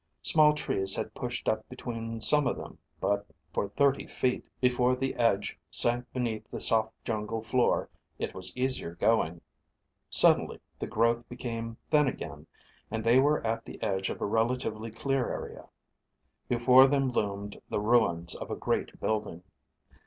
Small trees had pushed up between some of them, but for thirty feet, before the edge sank beneath the soft jungle floor it was easier going. Suddenly the growth became thin again and they were at the edge of a relatively clear area. Before them loomed the ruins of a great building.